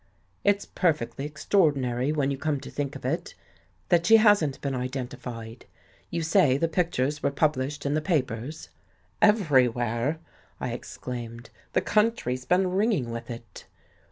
It's perfectly extraordinary, when you come to think of It, that she hasn't been Identified. You say the pictures were published in the pa pers? "" Everywhere," I exclaimed. " The country's been ringing with It."